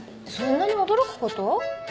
そんなに驚くこと？